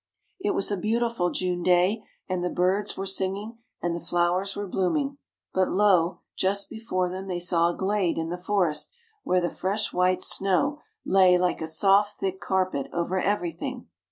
"It was a beautiful June day, and the birds were singing, and the flowers were blooming; but, lo! just before them they saw a glade in the forest where the fresh white snow lay like a soft thick carpet over everything.